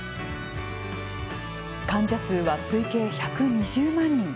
患者数は推計１２０万人。